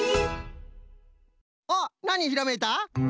あっなにひらめいた？